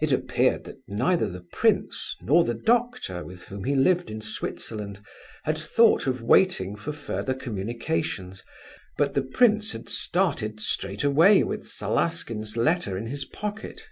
It appeared that neither the prince, nor the doctor with whom he lived in Switzerland, had thought of waiting for further communications; but the prince had started straight away with Salaskin's letter in his pocket.